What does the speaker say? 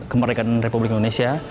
kemerdekaan republik indonesia